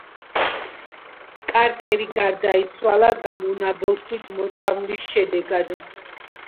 კარტერი გარდაიცვალა გამონაბოლქვით მოწამვლის შედეგად.